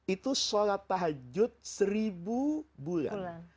itu sholat tahajud seribu bulan